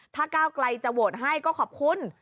ถ้าก้าวไกลจะโหวตให้ก็ขอบคุณ